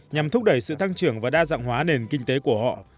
nhằm thúc đẩy sự tăng trưởng và đa dạng hóa nền kinh tế của họ